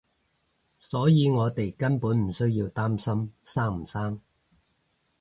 所以我哋根本唔需要擔心生唔生